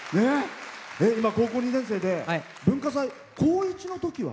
今、高校２年生で文化祭、高１のときは？